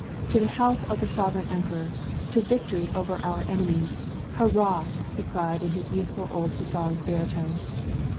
to the health of the sovereign emperor, to vic toiy over our enemies ! Hurrah !" he cried in his youthful old hussar's baritone.